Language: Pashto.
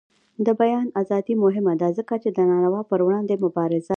د بیان ازادي مهمه ده ځکه چې د ناروا پر وړاندې مبارزه ده.